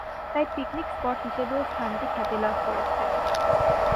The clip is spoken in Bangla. তাই পিকনিক স্পট হিসেবেও স্থানটি খ্যাতি লাভ করেছে।